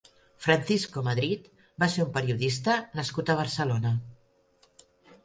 Francisco Madrid va ser un periodista nascut a Barcelona.